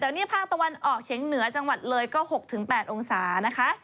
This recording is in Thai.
แต่นี่ภาคตะวันออกเฉียงเหนือจังหวัดเลยก็๖๘องศานะคะ